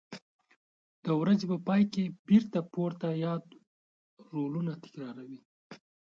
د ورځې په پای کې بېرته پورته یاد رولونه تکراروي.